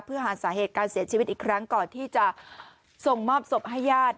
เพื่อหาสาเหตุการเสียชีวิตอีกครั้งก่อนที่จะส่งมอบศพให้ญาติ